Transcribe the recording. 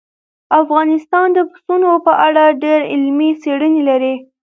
افغانستان د پسونو په اړه ډېرې علمي څېړنې لري.